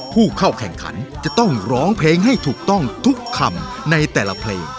ผู้เข้าแข่งขันจะต้องร้องเพลงให้ถูกต้องทุกคำในแต่ละเพลง